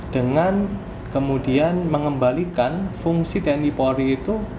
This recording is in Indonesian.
dengan kemudian mengembalikan fungsi tni polri itu